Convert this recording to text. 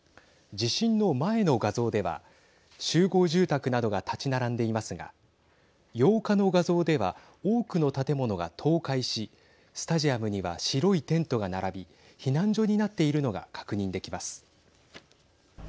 地震の前の画像では集合住宅などが立ち並んでいますが８日の画像では多くの建物が倒壊しスタジアムには白いテントが並び避難所になっているのが確認できます。